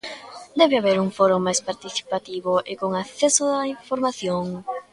Debe haber un foro máis participativo e con acceso á información.